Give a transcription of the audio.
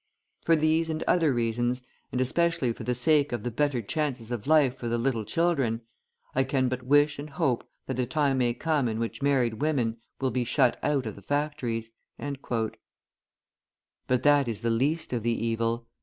For these and other reasons, and especially for the sake of the better chances of life for the little children, I can but wish and hope that a time may come in which married women will be shut out of the factories." {148a} But that is the least of the evil.